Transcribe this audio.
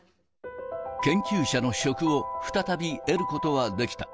研究者の職を再び得ることはできた。